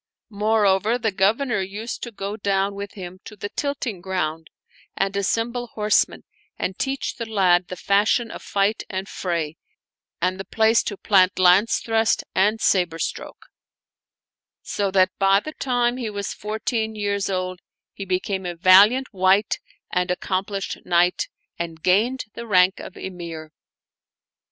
" Moreover, the Governor used to go down with him to the tilting ground and assemble horsemen and teach the lad the fashion of fight and fray, and the place to plant lance thrust and saber stroke ; so that by the time he was 149 Oriental Mystery Stories fourteen years old he became a valiant wight and accom plished knight and gained the rank of Emir.